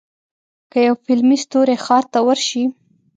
که یو فلمي ستوری ښار ته ورشي.